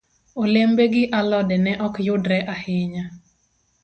Olembe gi alode ne ok yudre ahinya.